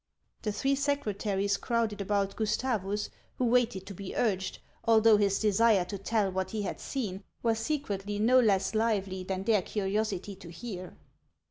The three secretaries crowded about Gustavus, who waited to be urged, although his desire to tell what he had seen was secretly no less lively than their curiosity to hear.